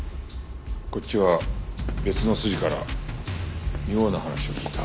こっちは別の筋から妙な話を聞いた。